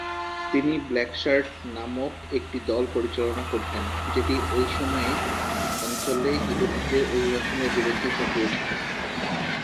তিনি black shirt নামক একটি দল পরিচালনা করতেন, যেটি ঐ সময়ে অঞ্চলে ইহুদিদের অভিবাসনের বিরুদ্ধে সক্রিয় ছিল।